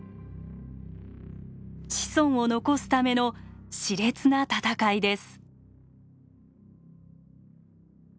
子孫を残すためのしれつな戦いです。